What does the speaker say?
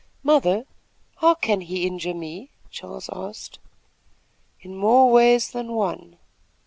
"Mother, how can he injure me?" Charles asked. "In more ways than one."